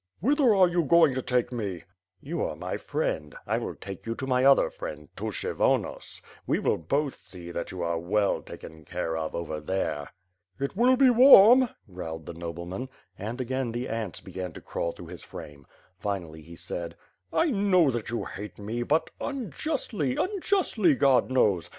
"Whither are you going to take me?" ^TTou are my friend; I will take you to my other friend, to Kshyvonos. We will both see that you are well taken care of over there." "It will be warm," growled the nobleman, and, again the ants began to crawl through his frame. Finally, he said: "I know 'that you hate me, but unjustly, unjustly, God knows.